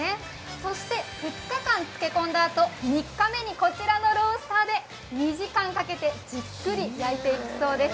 そして２日間漬け込んだあと３日目に、こちらのロースターで２時間かけてじっくり焼いていくそうです。